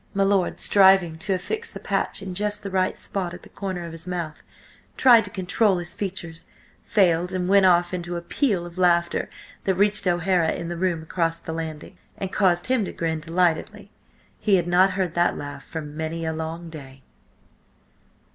My lord, striving to affix the patch in just the right spot at the corner of his mouth, tried to control his features, failed, and went off into a peal of laughter that reached O'Hara in the room across the landing, and caused him to grin delightedly. He had not heard that laugh for many a long day.